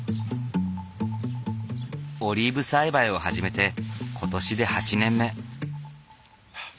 オリーブ栽培を始めて今年で８年目。